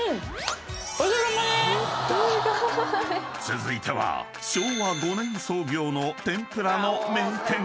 ［続いては昭和５年創業の天ぷらの名店］